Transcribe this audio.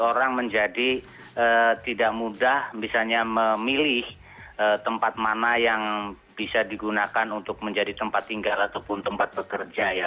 orang menjadi tidak mudah misalnya memilih tempat mana yang bisa digunakan untuk menjadi tempat tinggal ataupun tempat bekerja ya